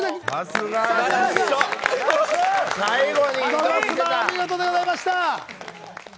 「ゴゴスマ」、お見事でございました。